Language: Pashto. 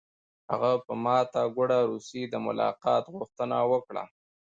هغه په ماته ګوډه روسي د ملاقات غوښتنه وکړه